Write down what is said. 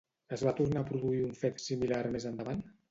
Es va tornar a produir un fet similar més endavant?